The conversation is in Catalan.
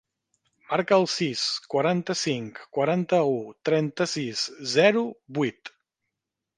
Marca el sis, quaranta-cinc, quaranta-u, trenta-sis, zero, vuit.